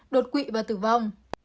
đột quỵ và tử vong